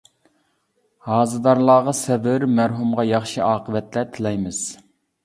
ھازىدارلارغا سەۋر، مەرھۇمغا ياخشى ئاقىۋەتلەر تىلەيمىز.